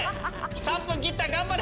３分切った頑張れ！